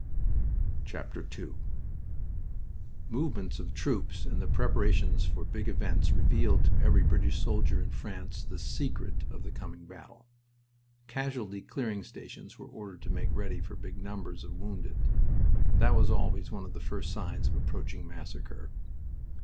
II The movements of troops and the preparations for big events revealed to every British soldier in France the "secret" of the coming battle. Casualty clearing stations were ordered to make ready for big numbers of wounded. That was always one of the first signs of approaching massacre.